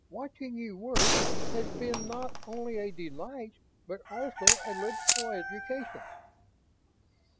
Watching you work has been not only a delight, but also a liberal education."